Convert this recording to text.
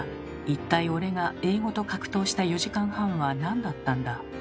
一体俺が英語と格闘した４時間半はなんだったんだ。